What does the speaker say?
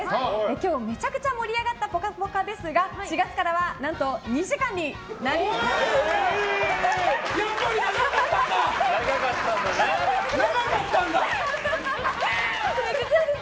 今日めちゃくちゃ盛り上がった「ぽかぽか」ですが４月からは何と２時間になります。